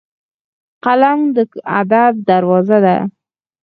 قلم د ادب دروازه ده